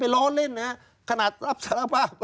ล้อเล่นนะครับขนาดรับสารภาพ